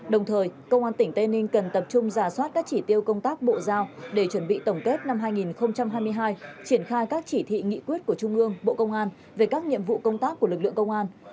đồng thời công an tỉnh tây ninh cần tập trung giả soát các chỉ tiêu công tác bộ giao để chuẩn bị tổng kết năm hai nghìn hai mươi hai triển khai các chỉ thị nghị quyết của trung ương bộ công an về các nhiệm vụ công tác của lực lượng công an